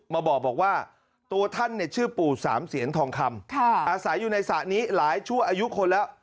มาบอกว่าตัวท่านเนี่ยชื่อปู่สามเสียนทองคำอาศัยอยู่ในสระนี้หลายชั่วอายุคนแล้ว